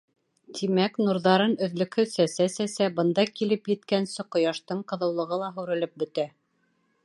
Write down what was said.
Тимәк, нурҙарын өҙлөкһөҙ сәсә-сәсә, бында килеп еткәнсе ҡояштың ҡыҙыулығы ла һүрелеп бөтә.